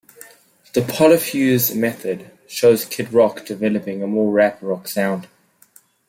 "The Polyfuze Method" shows Kid Rock developing a more rap rock sound.